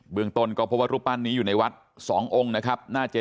เมืองต้นก็พบว่ารูปปั้นนี้อยู่ในวัด๒องค์นะครับ